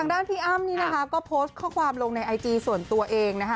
ด้านพี่อ้ำนี่นะคะก็โพสต์ข้อความลงในไอจีส่วนตัวเองนะคะ